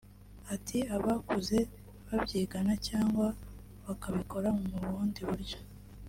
Ati” Abakuze babyigana cyangwa bakabikora mu bundi buryo